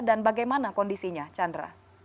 dan bagaimana kondisinya chandra